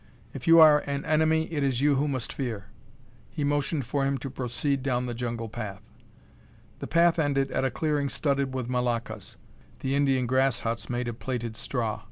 If you are an enemy, it is you who must fear." He motioned for him to proceed down the jungle path. The path ended at a clearing studded with moloccas, the Indian grass huts made of plaited straw.